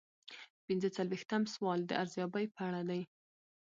پنځه څلویښتم سوال د ارزیابۍ په اړه دی.